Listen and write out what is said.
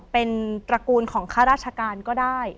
เป็นตระกูลของข้าราชการก็ได้